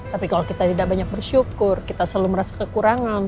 tapi kalau kita tidak banyak bersyukur kita selalu merasa kekurangan